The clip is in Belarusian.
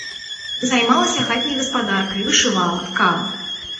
Займалася хатняй гаспадаркай, вышывала, ткала.